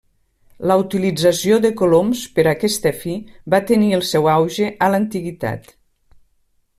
La utilització de coloms per a aquesta fi va tenir el seu auge en l'Antiguitat.